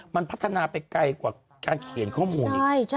มันพัฒนาไปไกลกว่าการเขียนข้อมูลอีก